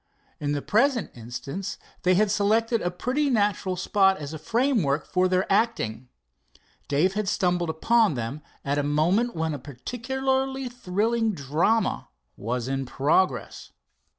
In the present instance they had selected a pretty natural spot as a framework for their acting. Dave had stumbled upon them at a moment when a particularly thrilling drama was in progress.